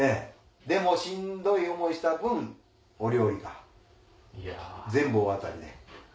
でもしんどい思いした分お料理が全部大当たりで。